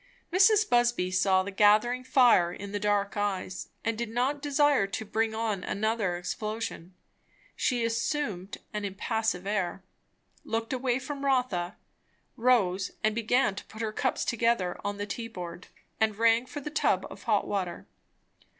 Mrs. Busby saw the gathering fire in the dark eyes, and did not desire to bring on another explosion. She assumed an impassive air, looked away from Rotha, rose and began to put her cups together on the tea board, and rang for the tub of hot water.